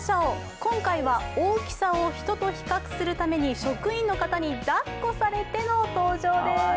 今回は大きさを人と比較するために職員の方に抱っこされての登場です。